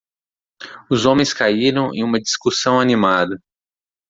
Os homens caíram em uma discussão animada.